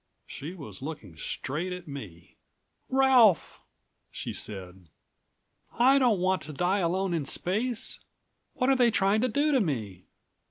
She was looking straight at me. "Ralph!" she said. "I don't want to die alone in space! What are they trying to do to me?"